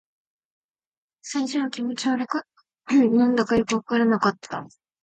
最初は気持ち悪かった。何だかよくわからなかった。